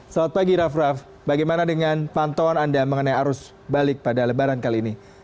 selamat pagi raff raff bagaimana dengan pantauan anda mengenai arus balik pada lebaran kali ini